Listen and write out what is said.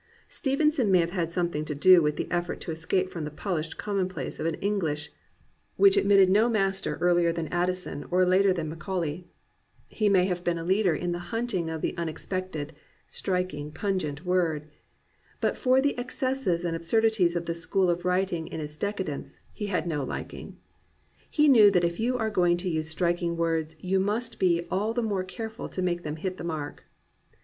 Stevenson may have had something to do with the effort to escape from the polished common place of an EngUsh which admitted no master earlier 373 COMPANIONABLE BOOKS than Addison or later than Macaulay. He may have been a leader in the hunting of the unexpected, striking, pungent word. But for the excesses and absurdities of this school of writing in its decadence, he had no liking. He knew that if you are going to use striking words you must be all the more care ful to make them hit the mark.